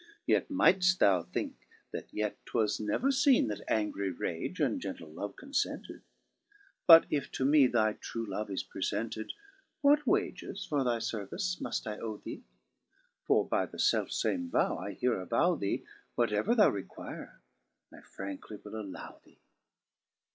Yet might'ft thou thinke that yet 'twas never feene That angry rage and gentle love confented ; But if to me thy true love is prefented. What wages for thy fervice muft I owe thee ? For by the felfe fame vow I here avow thee. Whatever thou require I frankly will allow thee.